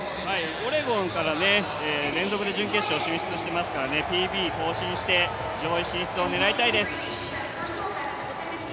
オレゴンから連続で準決勝進出していますから、ＰＢ更新して、上位を狙いたいです。